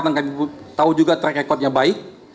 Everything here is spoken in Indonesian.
dan kami tahu juga track recordnya baik